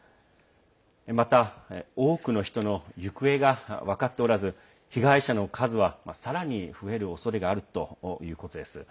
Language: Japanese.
また、多くの人の行方が分かっておらず被害者の数はさらに増えるおそれがあるということです。